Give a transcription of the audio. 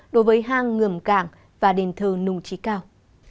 đối với hang ngầm cảng và đền thờ nùng trí cao